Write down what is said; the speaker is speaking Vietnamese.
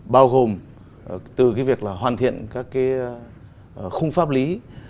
bao gồm từ cái việc là hoàn thiện các cái khung pháp lý